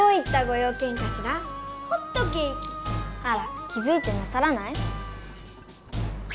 あら気づいてなさらない？